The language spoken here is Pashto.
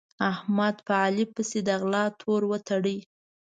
احمد په علي پسې د غلا تور وتاړه.